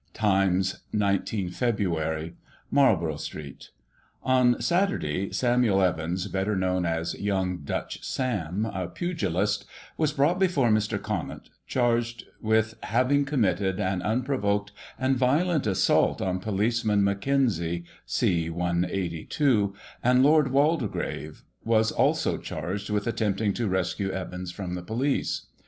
Times, 19 Feb. : Marlborough Street. — On Saturday, Samuel Evans, better known as " Yoimg Dutch Sam," a pugilist, was brought before Mr. Conant, charged with having committed an un provoked and violent assault on policeman Mackenzie, C 182, and Lord Waldegrave was also charged with attempting to rescue Evans from the police.